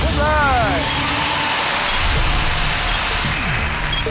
อุ้มเลย